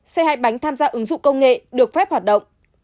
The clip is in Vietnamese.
xe hài bánh tham gia ứng dụng công nghệ được phép hoạt động